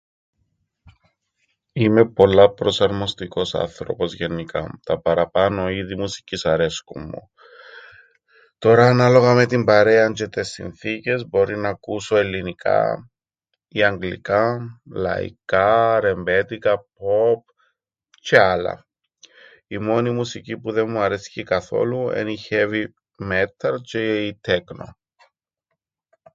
Είμαι πολλά προσαρμοστικός άνθρωπος γεννικά. Τα παραπάνω είδη μουσικής αρέσκουν μου. Τωρά, ανάλογα με την παρέαν τζ̆αι τες συνθήκες, μπορεί ν' ακούσω ελληνικά ή αγγλικά, λαϊκά, ρεμπέτικα, πποπ τζ̆αι άλλα. Η μόνη μουσική που δεν μου αρέσκει καθόλου εν' η χέβι μέτταλ τζ̆αι η ττέκνο.